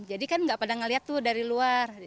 jadi kan gak pada melihat dari luar